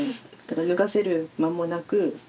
脱がせる間もなく。